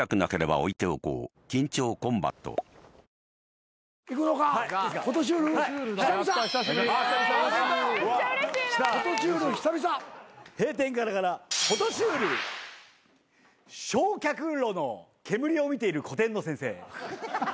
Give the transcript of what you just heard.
焼却炉の煙を見ている古典の先生。